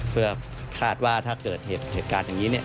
เพื่อคาดว่าถ้าเกิดเหตุการณ์อย่างนี้เนี่ย